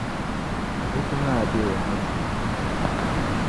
Buku maa be o ma duu.